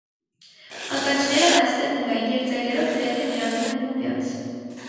Ականջները հաստ են ու լայն և ծայրերով գրեթե միանում են միմյանց։